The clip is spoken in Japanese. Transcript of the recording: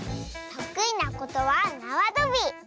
とくいなことはなわとび。